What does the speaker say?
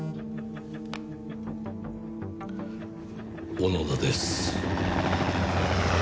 小野田です。